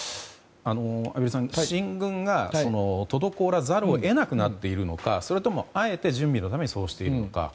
畔蒜さん、進軍が滞らざるを得なくなっているのかそれとも、あえて準備のためにそうしているのか。